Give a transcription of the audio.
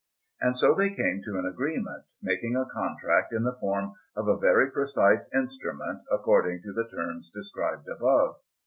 And so they came to an agreement, making a contract in the form of a very precise instrument according to the terms described above.